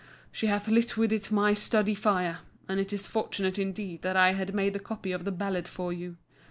She hath lit with it my study fire, and it is fortunate indeed that I had made the copy of the ballad for you.